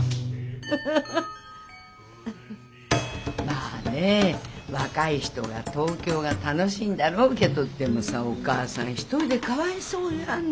まあねぇ若い人は東京が楽しいんだろうけどでもさお母さん一人でかわいそうよあんた。